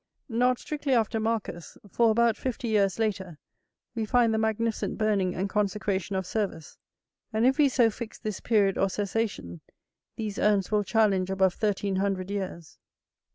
Not strictly after Marcus; for about fifty years later, we find the magnificent burning and consecration of Servus; and, if we so fix this period or cessation, these urns will challenge above thirteen hundred years.